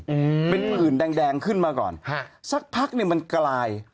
อืมเป็นผื่นแดงแดงขึ้นมาก่อนฮะสักพักเนี้ยมันกลาย